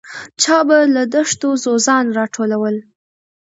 چا به له دښتو ځوځان راټولول.